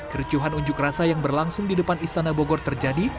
kericuhan unjuk rasa yang berlangsung di depan istana bogor terjadi